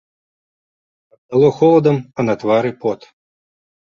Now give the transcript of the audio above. Абдало холадам, а на твары пот.